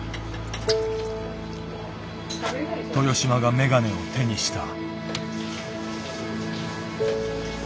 豊島が眼鏡を手にした。